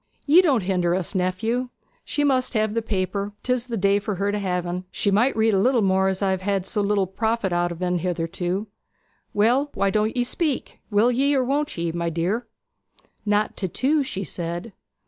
'Ye don't hinder us, nephew. She must have the paper: 'tis the day for her to have 'n. She might read a little more, as I have had so little profit out o' en hitherto. Well, why don't ye speak? Will ye, or won't ye, my dear?' 'Not to two,' she said.